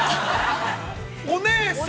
お姉さん。